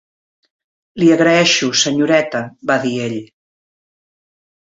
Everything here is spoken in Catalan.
"Li agraeixo, senyoreta", va dir ell.